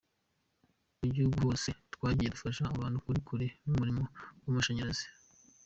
Mu gihugu hose twagiye dufasha ahantu hari kure y’umuriro w’amashanyarazi.